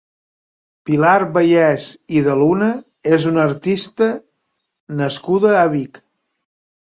Pilar Bayés i de Luna és una artista nascuda a Vic.